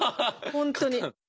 本当に。